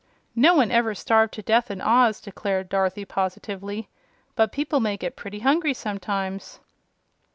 "No one ever starved to death in Oz," declared Dorothy, positively; "but people may get pretty hungry sometimes."